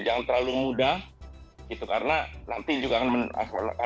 jangan terlalu mudah gitu karena nanti juga akan masuk dalam sebuah penilaian